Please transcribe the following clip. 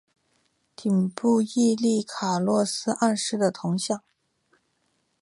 顶部矗立卡洛斯二世的铜像。